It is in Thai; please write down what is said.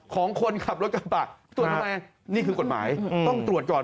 ของคนขับรถกระบะตรวจทำไมนี่คือกฎหมายต้องตรวจก่อน